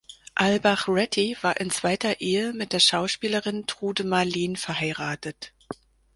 Albach-Retty war in zweiter Ehe mit der Schauspielerin Trude Marlen verheiratet.